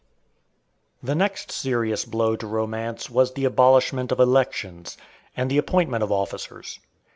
The next serious blow to romance was the abolishment of elections, and the appointment of officers.